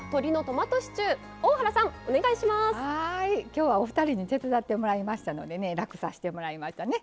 きょうはお二人に手伝ってもらいましたのでね楽させてもらいましたね。